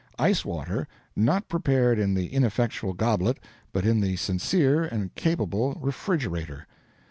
Ice water not prepared in the ineffectual goblet, but in the sincere and capable refrigerator.